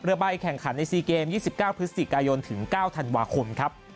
ใบแข่งขันใน๔เกม๒๙พฤศจิกายนถึง๙ธันวาคมครับ